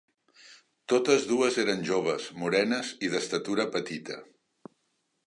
Totes dues eren joves, morenes i d'estatura petita.